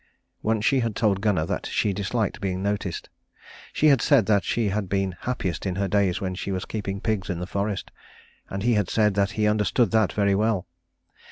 Once she had told Gunnar that she disliked being noticed. She had said that she had been happiest in her days when she was keeping pigs in the forest; and he had said that he understood that very well.